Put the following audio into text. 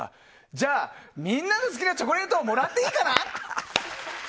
じゃあ、みんなの好きなチョコレートをもらっていいかな？